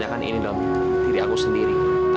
jangan bahas ini ya